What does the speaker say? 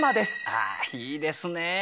ああいいですね。